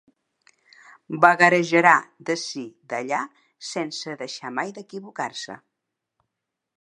Vagarejarà d'ací d'allà sense deixar mai d'equivocar-se.